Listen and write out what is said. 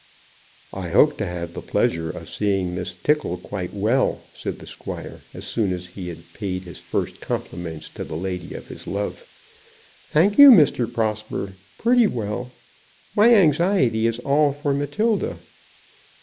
"I hope I have the pleasure of seeing Miss Tickle quite well," said the squire, as soon as he had paid his first compliments to the lady of his love. "Thank you, Mr. Prosper, pretty well. My anxiety is all for Matilda."